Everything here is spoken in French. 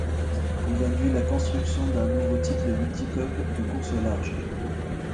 Il induit la construction d'un nouveau type de multicoques de course au large.